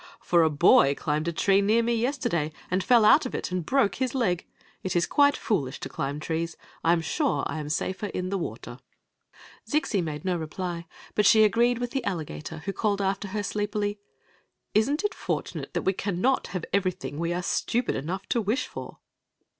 " For a boy climbed a tree near me yesterday and fell out of it and broke his leg. It is quite foolish to climb trees. I 'm sure I am safer in tte water. «54 Queoi ^xi of Ix; or, the Zixi made no reply, but she agreed with the alli gator, who called after her sleepily :Is n't it fortunate we cannot have everythi^ we are stupid enough to wish for?"